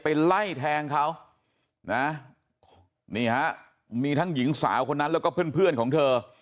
ไล่แทงเขานะนี่ฮะมีทั้งหญิงสาวคนนั้นแล้วก็เพื่อนเพื่อนของเธอ